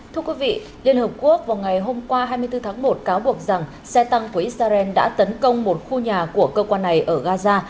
thưa quý vị liên hợp quốc vào ngày hôm qua hai mươi bốn tháng một cáo buộc rằng xe tăng của israel đã tấn công một khu nhà của cơ quan này ở gaza